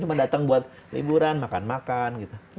cuma datang buat liburan makan makan gitu